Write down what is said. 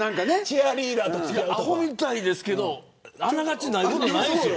あほみたいですけどあながちないこともないですよ。